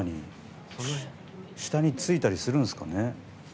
下に着いたりするんですかね。